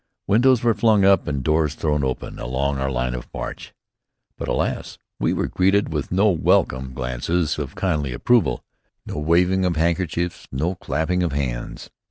Windows were flung up and doors thrown open along our line of march; but alas, we were greeted with no welcome glances of kindly approval, no waving of handkerchiefs, no clapping of hands.